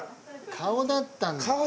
顔だったんだ。